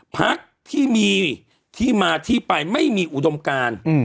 พักที่มีที่มาที่ไปไม่มีอุดมการ